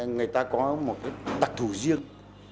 người ta có một đặc thù riêng